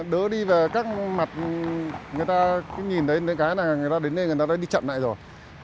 đỡ đi và các mặt người ta nhìn thấy cái này người ta đến đây người ta đã đi chậm lại rồi